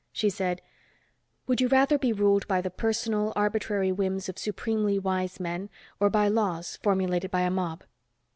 She said, "Would you rather be ruled by the personal, arbitrary whims of supremely wise men, or by laws formulated by a mob?"